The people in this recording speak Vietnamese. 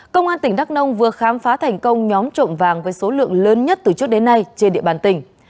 công an tỉnh đắk nông vừa khám phá thành công nhóm trộm vàng với số lượng lớn nhất từ trước đến nay trên địa bàn tỉnh